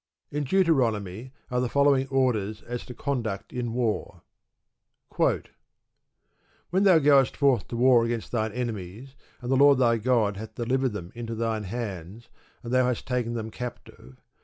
In Deuteronomy are the following orders as to conduct in war: When thou goest forth to war against thine enemies, and the Lord thy God hath delivered them into thine hands, and thou hast taken them captive.